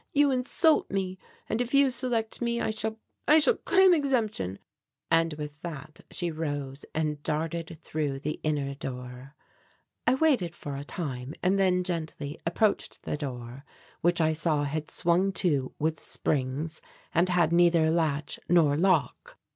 You insult me. And if you select me, I shall I shall claim exemption, " and with that she rose and darted through the inner door. I waited for a time and then gently approached the door, which I saw had swung to with springs and had neither latch nor lock.